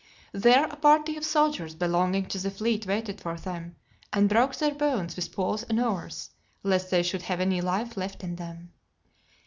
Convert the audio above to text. There a party of soldiers belonging to the fleet waited for them, and broke their bones with poles and oars, lest they should have any life left in them.